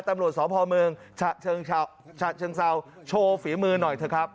ตำรวจสพเมืองฉะเชิงเซาโชว์ฝีมือหน่อยเถอะครับ